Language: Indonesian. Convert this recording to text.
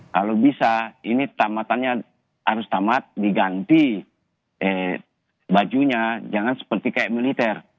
kalau bisa ini tamatannya harus tamat diganti bajunya jangan seperti kayak militer